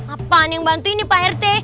apaan yang bantu ini pak rt